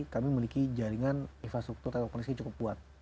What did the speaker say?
kami memiliki jaringan infrastruktur telekomunikasi yang cukup kuat